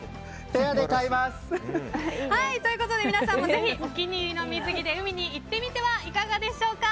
ペアで買います！ということで皆さんもぜひお気に入りの水着で海に行ってみてはいかがでしょうか。